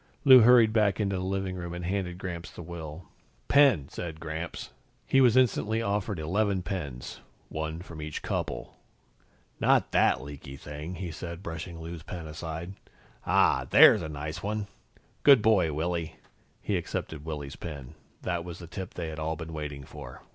Lou hurried back into the living room and handed Gramps the will. "Pen!" said Gramps. He was instantly offered eleven pens, one from each couple. "Not that leaky thing," he said, brushing Lou's pen aside. "Ah, there's a nice one. Good boy, Willy." He accepted Willy's pen. That was the tip they had all been waiting for.